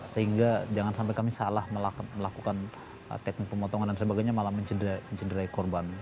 sehingga jangan sampai kami salah melakukan teknik pemotongan dan sebagainya malah mencederai korban